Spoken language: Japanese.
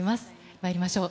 まいりましょう。